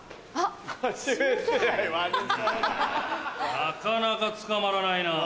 なかなか捕まらないなぁ。